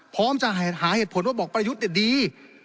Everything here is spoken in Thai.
พร้อมจะหาเหตุผลว่าบอกประยุทธ์ดี